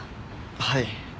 はい。